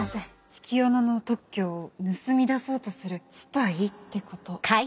月夜野の特許を盗み出そうとするスパイってこと。